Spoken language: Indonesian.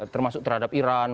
termasuk terhadap iran